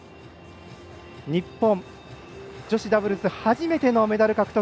日本、女子ダブルス初めてのメダル獲得。